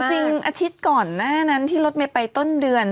จริงอาทิตย์ก่อนหน้านั้นที่รถเมย์ไปต้นเดือน